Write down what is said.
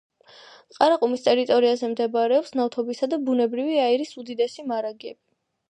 ყარაყუმის ტერიტორიაზე მდებარეობს ნავთობისა და ბუნებრივი აირის უდიდესი მარაგები.